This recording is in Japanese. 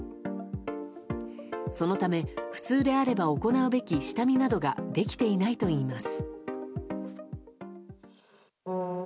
そのため、普通であれば行うべき下見などができていないといいます。